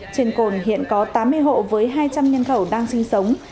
trên cồn hiện có tám mươi hộ với hai trăm linh nhân khẩu đang sinh sống